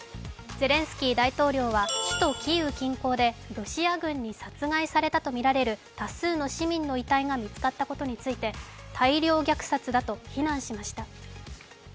ゼレンスキー大統領は首都キーウ近郊でロシア軍に殺害されたとみられる多数の市民の遺体が見つかったことについて大量虐殺だと非難しました。